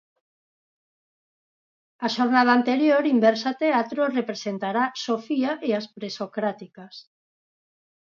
A xornada anterior, Inversa Teatro representará Sofía e as Presocráticas.